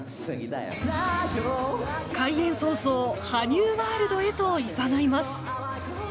開演早々羽生ワールドへといざないます。